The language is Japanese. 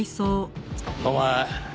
お前